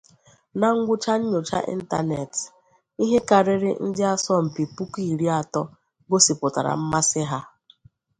Na ngwụcha nyocha ịntanetị, ihe karịrị ndị asọmpi Puku iri atọ gosipụtara mmasị ha.